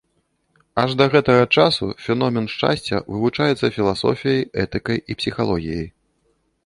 Аж да гэтага часу феномен шчасця вывучаецца філасофіяй, этыкай і псіхалогіяй.